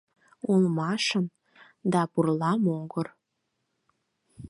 Улмашын, да пурла могыр